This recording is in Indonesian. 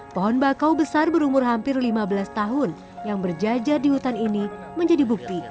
pohon bakau besar berumur hampir lima belas tahun yang berjajar di hutan ini menjadi bukti